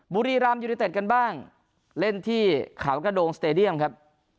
บุรีรามยูนิเต็ดกันบ้างเล่นที่เขากระโดงสเตดียมครับ